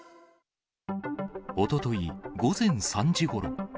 おととい午前３時ごろ。